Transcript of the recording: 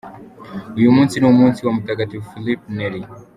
Uyu munsi ni umunsi wa Mutagatifu Philip Neri.